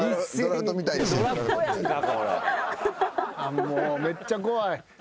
もうめっちゃ怖い。